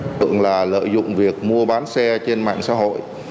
tượng là lợi dụng việc mua bán xe trên mạng xã hội